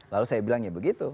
lalu saya bilang ya begitu